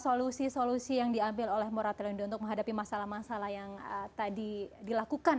solusi solusi yang diambil oleh mora telendo untuk menghadapi masalah masalah yang tadi dilakukan